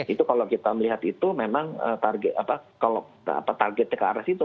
itu kalau kita melihat itu memang targetnya ke arah situ